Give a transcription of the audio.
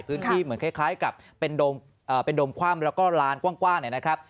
พื้นที่เหมือนคล้ายกับเป็นโดมคว่ำแล้วก็ล้านกว้างนะครับ